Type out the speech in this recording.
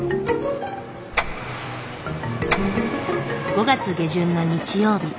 ５月下旬の日曜日。